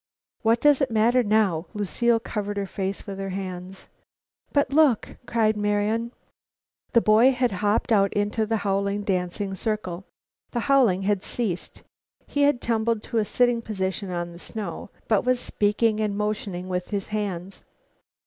"What does it matter now?" Lucile covered her face with her hands. "But look!" cried Marian. The boy had hopped out into the howling, dancing circle. The howling had ceased. He had tumbled to a sitting position on the snow, but was speaking and motioning with his hands.